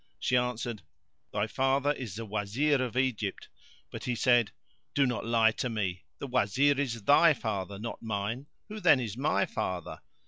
She answered, "Thy father is the Wazir of Egypt;" but he said, "Do not lie to me. The Wazir is thy father, not mine! who then is my father?